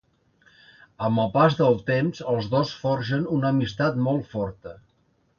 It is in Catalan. Amb el pas del temps els dos forgen una amistat molt forta.